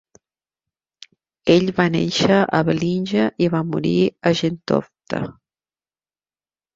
Ell va néixer a Bellinge i va morir a Gentofte.